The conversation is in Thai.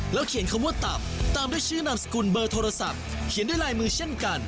เขียนคำว่าตับตามด้วยชื่อนามสกุลเบอร์โทรศัพท์เขียนด้วยลายมือเช่นกัน